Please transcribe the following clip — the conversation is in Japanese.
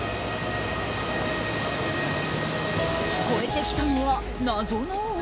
聞こえてきたのは、謎の音。